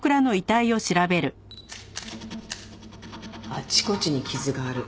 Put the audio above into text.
あちこちに傷がある。